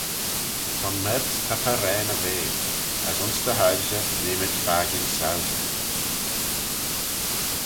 Son mayrts ta farrane y vea: as ayns dty hoilshey nee mayd fakin soilshey.